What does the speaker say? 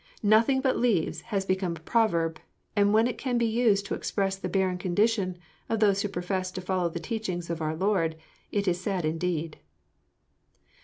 'Nothing but leaves' has become a proverb; and when it can be used to express the barren condition of those who profess to follow the teachings of our Lord, it is sad indeed."